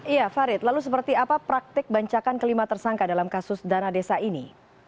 iya farid lalu seperti apa praktik bancakan kelima tersangka dalam kasus dana desa ini